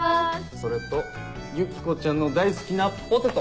それとユキコちゃんの大好きなポテト。